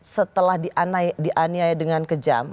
setelah dianiaya dengan kejam